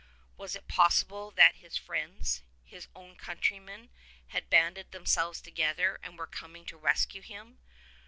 Was it possible that his friends, his own countrymen, had banded themselves together and were coming to rescue him